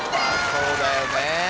そうだよね。